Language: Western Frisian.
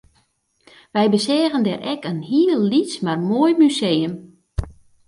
Wy beseagen dêr ek in hiel lyts mar moai museum